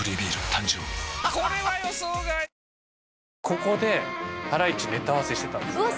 ここでハライチネタ合わせしてたんですよ。